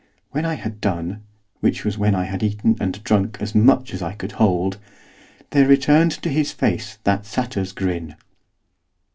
When I had done, which was when I had eaten and drunk as much as I could hold, there returned to his face that satyr's grin.